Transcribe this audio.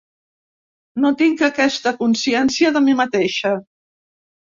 No tinc aquesta consciència de mi mateixa.